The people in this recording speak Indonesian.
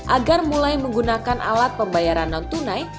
agar mulai menggunakan alat pembayaran non tunai